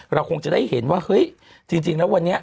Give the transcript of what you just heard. เราคงจะได้เห็นว่าเฮ้ยจริงแล้ววันนี้